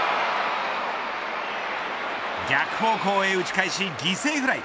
逆方向へ打ち返し犠牲フライ。